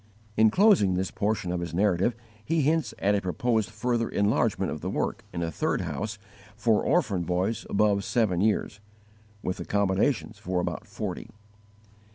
_ In closing this portion of his narrative he hints at a proposed further enlargement of the work in a third house for orphan boys above seven years, with accommodations for about forty.